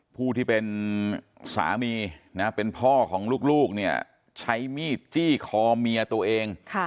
ผู้ที่เป็นสามีนะเป็นพ่อของลูกเนี่ยใช้มีดจี้คอเมียตัวเอง